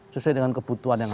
sesuai dengan kebutuhan yang ada